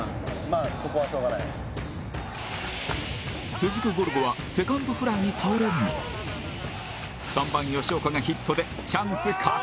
続くゴルゴはセカンドフライに倒れるも３番吉岡がヒットでチャンス拡大！